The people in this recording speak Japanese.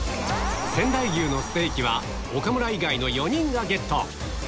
仙台牛のステーキは岡村以外の４人がゲット